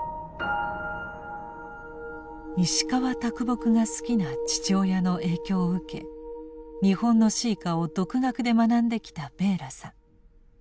石川木が好きな父親の影響を受け日本の詩歌を独学で学んできたベーラさん。